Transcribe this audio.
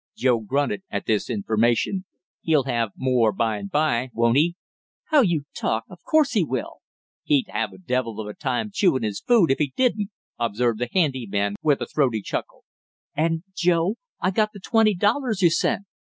Joe grunted at this information. "He'll have more by and by, won't he?" he said. "How you talk, of course he will!" "He'd have a devil of a time chewin' his food if he didn't," observed, the handy man with a throaty chuckle. "And, Joe, I got the twenty dollars you sent!"